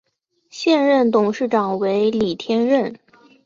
现任董事长为李天任。